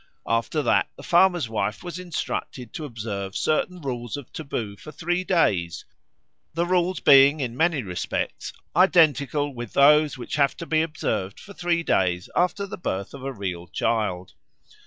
After that the farmer's wife was instructed to observe certain rules of taboo for three days, the rules being in many respects identical with those which have to be observed for three days after the birth of a real child.